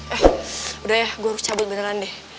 eh udah ya gua harus cabut duluan deh